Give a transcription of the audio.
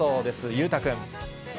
裕太君。